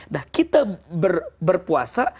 nah kita berpuasa